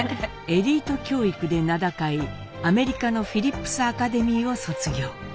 エリート教育で名高いアメリカのフィリップスアカデミーを卒業。